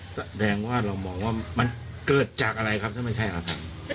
แสดงว่าเรามองว่ามันเกิดจากอะไรครับถ้าไม่ใช่ครับ